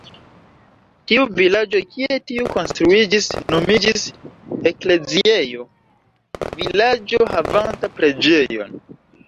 Tiu vilaĝo, kie tiu konstruiĝis, nomiĝis "ekleziejo" vilaĝo havanta preĝejon.